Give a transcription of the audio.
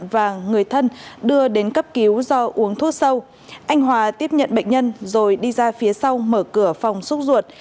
và người thân đưa đến cấp cứu do uống thuốc sâu anh hòa tiếp nhận bệnh nhân rồi đi ra phía sau mở cửa phòng xúc ruột